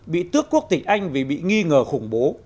bị tước quốc tịch anh vì bị nghi ngờ khủng bố